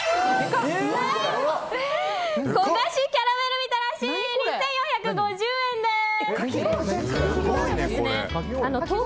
焦がしキャラメルみたらし２４５０円です。